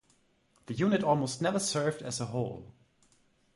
The unit almost never served as a whole.